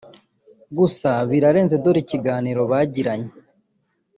gusa birarenze dore ikiganiro bagiranye